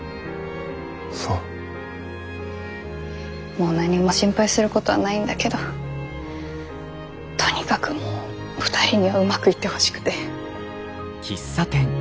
もう何も心配することはないんだけどとにかくもう２人にはうまくいってほしくて。